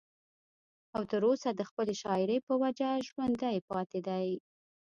او تر اوسه د خپلې شاعرۍ پۀ وجه ژوندی پاتې دی